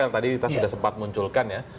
tadi kita sempat munculkan ya